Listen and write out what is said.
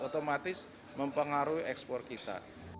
otomatis mempengaruhi ekspor kita